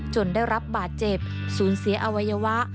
ได้รับบาดเจ็บสูญเสียอวัยวะ